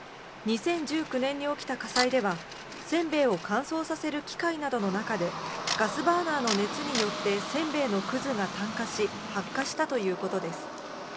２０１９年に起きた火災ではせんべいを乾燥させる機械などの中でガスバーナーの熱によってせんべいのくずが炭化し発火したということです。